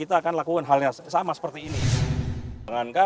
itu adalah hak acaraus ponsel pak bindang